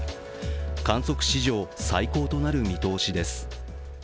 観測史上最高となる見通しです。